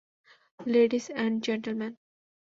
Ladies and gentleman!